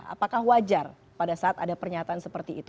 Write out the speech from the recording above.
apakah wajar pada saat ada pernyataan seperti itu